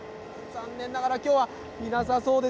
残念ながら、きょうはいなさそうです。